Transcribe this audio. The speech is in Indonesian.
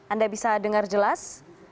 anda bisa dengar jelas